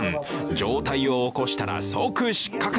上体を起こしたら即失格。